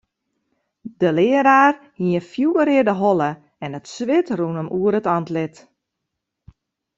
De learaar hie in fjoerreade holle en it swit rûn him oer it antlit.